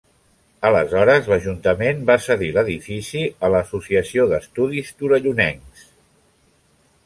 Aleshores l'ajuntament va cedir l'edifici a l'Associació d'Estudis Torellonencs.